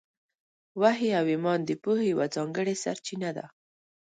وحي او ایمان د پوهې یوه ځانګړې سرچینه ده.